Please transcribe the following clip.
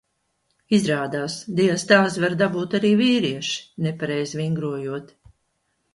Izrādās diastāzi var dabūt arī vīrieši, nepareizi vingrojot.